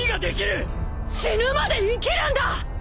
死ぬまで生きるんだ！